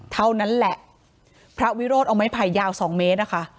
เท่านั้นแหละพระวิโรธเอาไม้ไผ่ยาว๒เมตรนะคะ